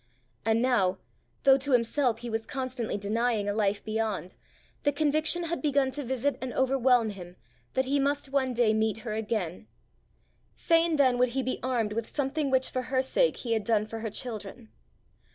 And now, though to himself he was constantly denying a life beyond, the conviction had begun to visit and overwhelm him that he must one day meet her again: fain then would he be armed with something which for her sake he had done for her children!